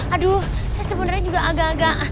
aduh saya sebenarnya juga agak agak